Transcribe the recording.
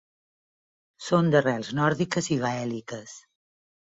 Són d'arrels nòrdiques i gaèliques.